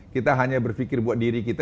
kita hanya berpikir buat diri kita